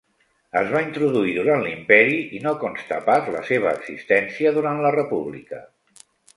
Es va introduir durant l'Imperi i no consta pas la seva existència durant la república.